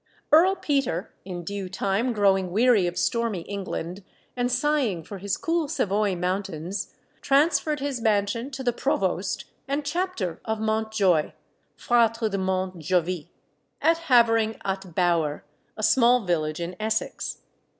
Earl Peter, in due time growing weary of stormy England, and sighing for his cool Savoy mountains, transferred his mansion to the provost and chapter of Montjoy (Fratres de Monte Jovis) at Havering atte Bower, a small village in Essex.